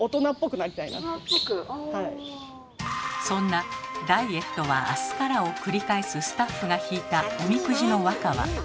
そんな「ダイエットは明日から」を繰り返すスタッフが引いたおみくじの和歌は。